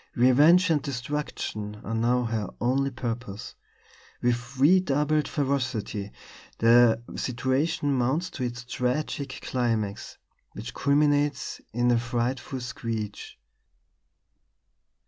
Revenge and destruction are now her only purpose. With redoubled ferocity the situation mounts to its tragic climax, which culminates in a frightful screech.